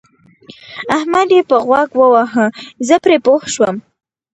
احمد يې په غوږ وواهه زه پرې پوه شوم.